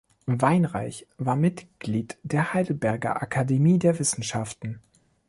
Weinreich war Mitglied der Heidelberger Akademie der Wissenschaften.